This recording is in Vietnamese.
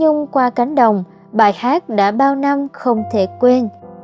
nhưng qua cánh đồng bài hát đã bao năm không thể quên